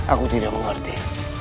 aku tidak mengerti